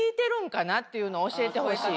っていうのを教えてほしい。